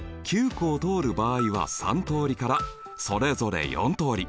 湖を通る場合は３通りからそれぞれ４通り。